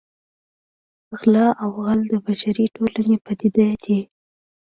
غلا او غل د بشري ټولنې پدیدې دي